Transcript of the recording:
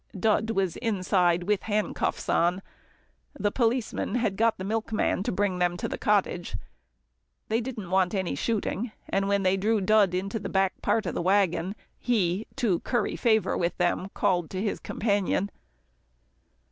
Dud was inside with handcuffs on. The policemen had got the milkman to bring them to the cottage. They didn't want any shooting, and when they drew Dud into the back part of the waggon, he, to curry favour with them, called his companion.